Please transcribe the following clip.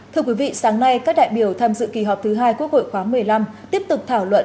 thưa quý vị sáng nay các đại biểu tham dự kỳ họp thứ hai quốc hội khóa một mươi năm tiếp tục thảo luận